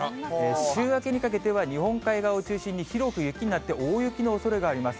週明けにかけては、日本海側を中心に広く雪になって、大雪のおそれがあります。